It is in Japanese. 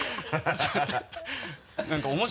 ハハハ